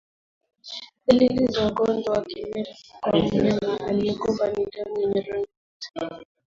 Dalili za ugonjwa wa kimeta kwa mnyama aliyekufa ni damu yenye rangi nyeusi